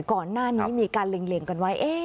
ก่อนหน้านี้มีการเหลี่ยงกันไว้